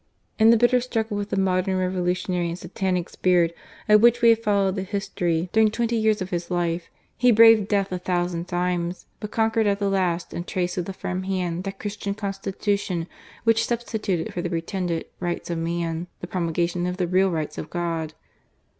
In the bitter struggle with the modern revolutionary and satanic spirit of which we have followed the history during twenty years of his life, he braved death a thousand times, but conquered at the last and traced with a firm hand that Christian Constitution which substituted for the pretended " rights of man " the promulgation of the real rights of God.